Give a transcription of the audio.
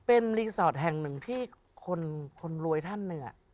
เป็นรีสอร์ทแห่งหนึ่งที่คนรวยท่านหนึ่ง